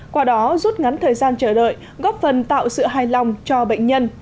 qua đó rút ngắn thời gian chờ đợi góp phần tạo sự hài lòng cho bệnh nhân